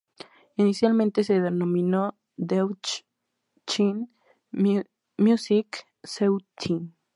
Inicialmente se denominó Deutschen Musik Zeitung.